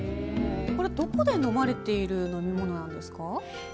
どこで飲まれている飲み物なんですか？